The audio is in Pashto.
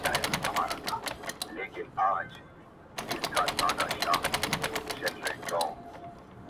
o چرگه مي در حلالوله، په خاشو را څخه ننوتله٫